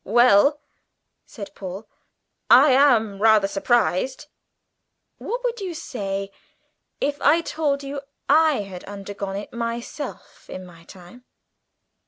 "Well," said Paul, "I am rather surprised." "What would you say if I told you I had undergone it myself in my time?"